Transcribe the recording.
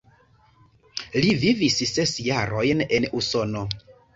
Li vivis ses jarojn en Usono.